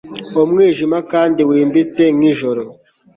Umwijima kandi wimbitse nkijoro